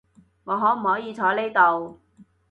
我可唔可以坐呢度？